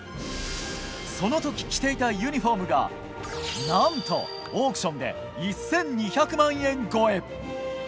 その時着ていたユニホームが何と、オークションで１２００万円超え！